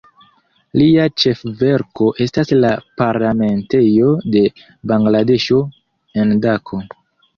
Lia ĉefverko estas la parlamentejo de Bangladeŝo, en Dako.